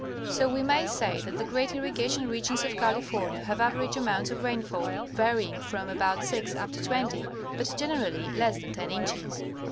So, we may say, that the great irrigation regions of California have average amounts of rainfall varying from about 6 up to 20, but generally less than 10 inches.